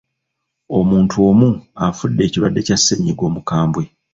Omuntu omu afudde ekirwadde kya ssenyiga omukambwe.